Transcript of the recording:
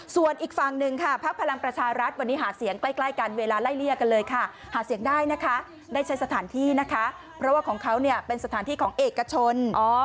ส่วนอีกฝั่งหนึ่งค่ะพักพลังประชารัฐวันนี้หาเสียงใกล้กันเวลาไล่เลี่ยกันเลยค่ะหาเสียงได้นะคะได้ใช้สถานที่นะคะเพราะว่าของเขาเนี่ยเป็นสถานที่ของเอกชน